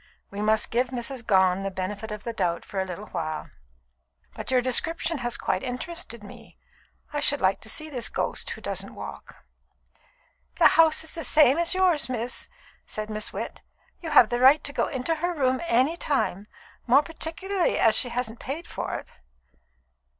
We must give Mrs. Gone the benefit of the doubt for a little while. But your description has quite interested me; I should like to see this ghost who doesn't walk." "The house is the same as yours, miss," said Miss Witt. "You have the right to go into her room at any time, more particularly as she hasn't paid for it."